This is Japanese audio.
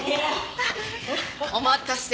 お待たせ。